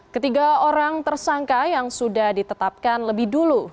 ketiga orang tersangka yang sudah ditetapkan lebih dulu